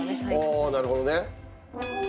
ああなるほどね。